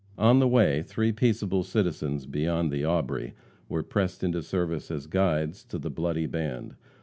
On the way three peaceable citizens beyond the Aubrey, were pressed into service as guides to the bloody band.